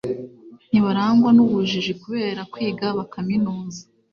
Ntibarangwa n’ubujiji kubera kwiga bakaminuza